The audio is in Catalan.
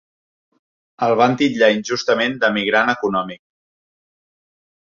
El van titllar injustament de migrant econòmic.